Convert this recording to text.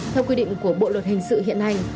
theo quy định của bộ luật hình sự hiện nay